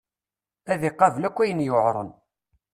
Ad iqabel akk ayen yuɛren.